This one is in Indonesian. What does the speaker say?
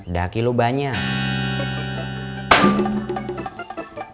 daki lu banyak